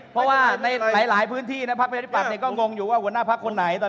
เพราะประชาติฤทธิฤทธิปัสนายังงว่าหัวหน้าภักดิ์ใคร